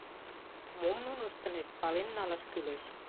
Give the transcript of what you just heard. — Мом нуно ыштынешт, пален налаш кӱлеш.